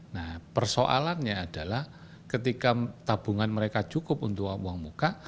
nah persoalannya adalah ketika tabungan mereka cukup untuk uang muka